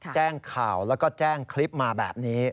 แจ้งข่าวแล้วก็แจ้งคลิปมาแบบนี้